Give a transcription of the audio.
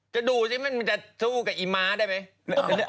จะดูซิเธอจะสู้กับไอ้ม้าได้ไหม